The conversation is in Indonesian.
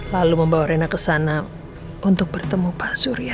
lalu membawa rena ke sana untuk bertemu pak surya